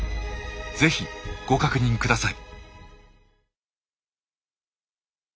是非ご確認ください。